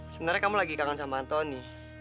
sebenarnya kamu lagi kangen sama anthony